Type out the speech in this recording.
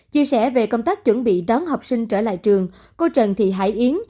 chia sẻ về công tác chuẩn bị đón học sinh trở lại trường cô trần thị hải yến